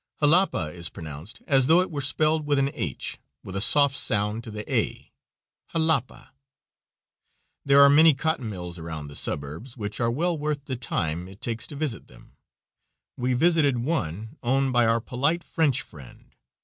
Jalapa is pronounced as though it were spelled with an h, with a soft sound to the a Halapah. There are many cotton mills around the suburbs that are well worth the time it takes to visit them. We visited one owned by our polite French friend.